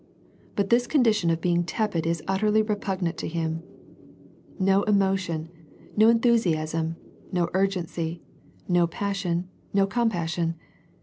But this condition of being tepid is utterly repugnant to Him. No emotion, no enthusiasm, no urgency, no passion, no com passion.